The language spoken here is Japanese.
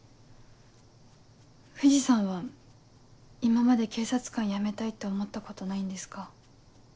藤さんは今まで警察官辞めたいって思ったことないんですか？